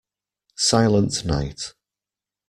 Silent Night.